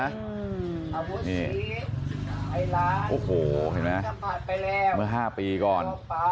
อ่าปี๖๐นะนี่โอ้โหเห็นมั้ยเมื่อ๕ปีก่อน